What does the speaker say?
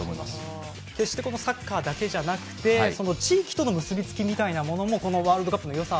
決して、このサッカーだけではなくて地域との結び付きみたいなものもこのワールドカップのよさ。